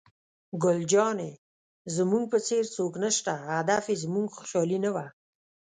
ګل جانې: زموږ په څېر څوک نشته، هدف یې زموږ خوشحالي نه وه.